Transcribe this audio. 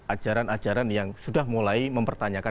ajaran ajaran yang sudah mulai mempertanyakan